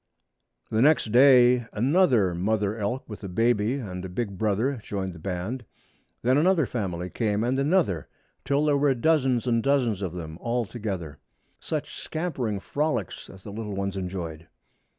The next day another mother elk with a baby and a big brother joined the band. Then another family came, and another, till there were dozens and dozens of them all together. Such scampering frolics as the little ones enjoyed!